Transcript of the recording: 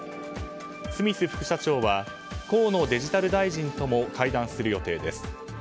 スミス副社長は河野デジタル大臣とも会談する予定です。